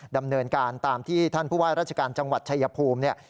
ดำเนินการตามที่ท่านผู้ว่าราชการจังหวัดชายภูมิเนี่ย